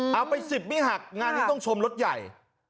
เอาไป๑๐ไม่หักงานนี้ต้องชมรถใหญ่